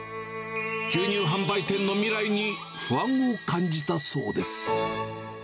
牛乳販売店の未来に不安を感じたそうです。